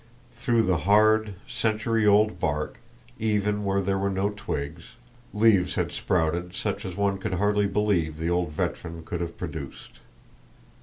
Through the hard century old bark, even where there were no twigs, leaves had sprouted such as one could hardly believe the old veteran could have produced.